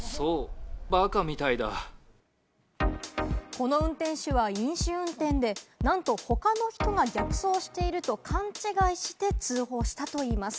この運転手は飲酒運転で、なんと他の人が逆走していると勘違いして通報したといいます。